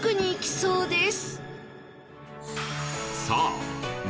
そうですね。